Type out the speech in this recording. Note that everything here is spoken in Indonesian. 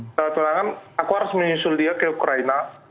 setelah terangan aku harus menyusul dia ke ukraina